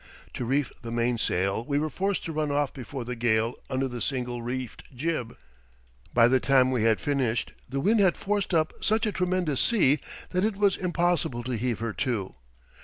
To reef the mainsail we were forced to run off before the gale under the single reefed jib. By the time we had finished the wind had forced up such a tremendous sea that it was impossible to heave her to.